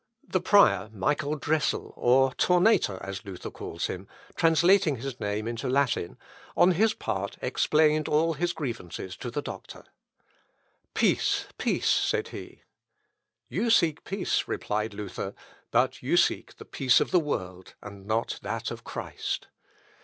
The prior, Michael Dressel, or Tornator, as Luther calls him, translating his name into Latin, on his part explained all his grievances to the doctor. "Peace! peace!" said he. "You seek peace," replied Luther, "but you seek the peace of the world, and not that of Christ.